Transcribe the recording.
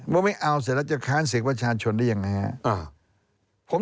ว่าไม่เอาเสร็จแล้วจะค้านเสียงประชาชนได้ยังไงครับ